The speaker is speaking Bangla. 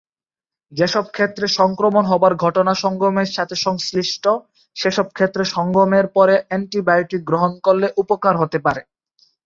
যেসব ক্ষেত্রে সংক্রমণ হবার ঘটনা সঙ্গমের সাথে সংশ্লিষ্ট, সেসব ক্ষেত্রে সঙ্গমের পরে অ্যান্টিবায়োটিক গ্রহণ করলে উপকার হতে পারে।